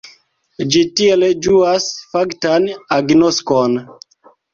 Ĝi tiel ĝuas faktan agnoskon.